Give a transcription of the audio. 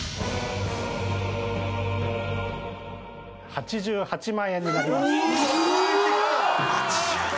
８８万円になります。